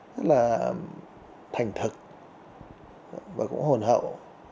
rất là thành thực và cũng hồn hậu